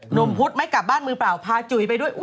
พุธไม่กลับบ้านมือเปล่าพาจุ๋ยไปด้วย